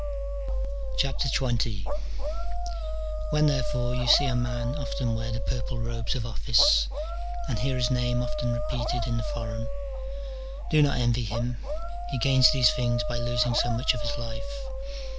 XX. When, therefore, you see a man often wear the purple robes of office, and hear his name often repeated in the forum, do not envy him: he gains these things by losing so much of his life.